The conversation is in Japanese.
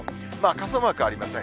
傘マークありません。